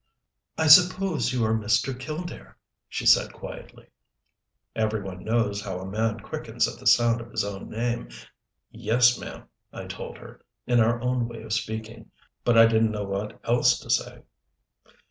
"I suppose you are Mr. Killdare?" she said quietly. Every one knows how a man quickens at the sound of his own name. "Yes, ma'am," I told her in our own way of speaking. But I didn't know what else to say.